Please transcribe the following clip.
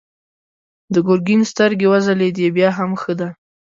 د ګرګين سترګې وځلېدې: بيا هم ښه ده.